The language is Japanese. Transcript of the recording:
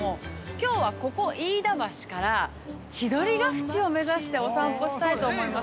きょうは、ここ飯田橋から千鳥ヶ淵を目指しておさんぽしたいと思います。